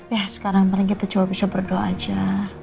ya sekarang kita coba bisa berdoa aja